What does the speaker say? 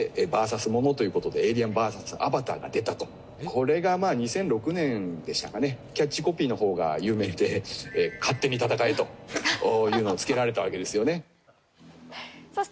これが２００６年でしたかね、キャッチコピーのほうが有名で、「勝手に戦え！」というのをつけられたわけですよね。